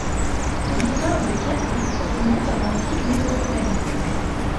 L'histoire de Kirkouk remonte à l'antique Mésopotamie.